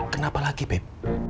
kenapa lagi beb